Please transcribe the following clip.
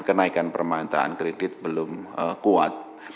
kenaikan permintaan kredit belum kuat